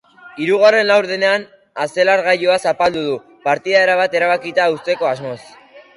Hirugarren laurdenean, azeleragailua zapaldu du, partida erabat erabakita uzteko asmoz.